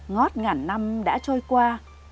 ngót ngàn năm đã trôi qua